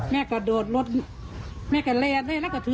แม่กระโดดรถ